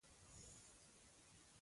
دا یې لومړۍ او اساسي شکل دی.